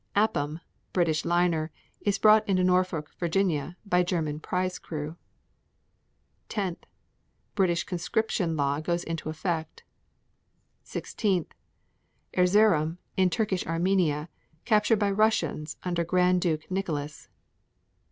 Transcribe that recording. Appam, British liner, is brought into Norfolk, Va., by German prize crew. 10. British conscription law goes into effect. 16. Erzerum, in Turkish Armenia, captured by Russians under Grand Duke Nicholas.